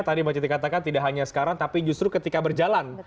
tadi mbak citi katakan tidak hanya sekarang tapi justru ketika berjalan